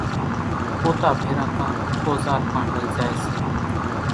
پوتا ڀيران ڪانڪ اوزار پڻ لئي زائي سي